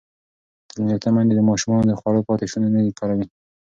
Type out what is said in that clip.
تعلیم یافته میندې د ماشومانو د خوړو پاتې شوني نه کاروي.